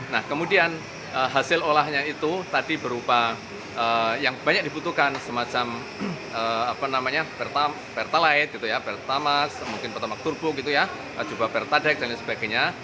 nah kemudian hasil olahnya itu tadi berupa yang banyak dibutuhkan semacam pertalite pertamax pertamax turbo pertadex dan sebagainya